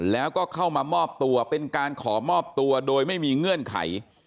แล้วก็เข้ามามอบตัวเป็นการขอมอบตัวโดยไม่มีเงื่อนไข